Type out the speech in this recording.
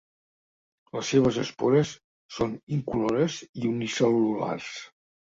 Les seves espores són incolores i unicel·lulars.